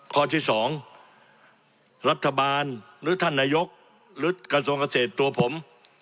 ข้อที่๒รัฐบาลหรือท่านนายกหรือกระทรวงเกษตรตัวผม